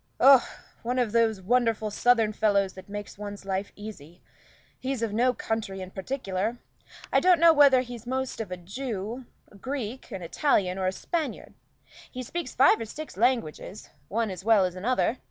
"Oh, one of those wonderful southern fellows that make one's life easy. He's of no country in particular. I don't know whether he's most of a Jew, a Greek, an Italian, or a Spaniard. He speaks five or six languages, one as well as another.